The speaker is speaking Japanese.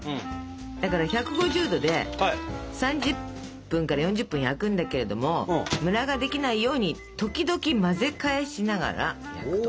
だから１５０℃で３０分から４０分焼くんだけれどもムラができないように時々混ぜ返しながら焼くと。